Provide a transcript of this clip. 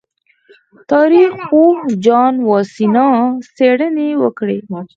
تاریخ پوه جان واسینا څېړنې وکړې.